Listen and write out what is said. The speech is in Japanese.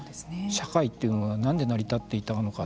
社会というのは何で成り立っていたのか